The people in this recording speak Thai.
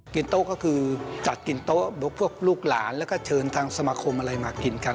โต๊ะก็คือจัดกินโต๊ะพวกลูกหลานแล้วก็เชิญทางสมาคมอะไรมากินกัน